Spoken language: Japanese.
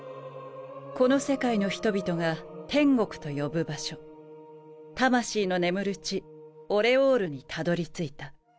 この世界の人々が天国と呼ぶ場所魂の眠る地オレオールにたどり着いた。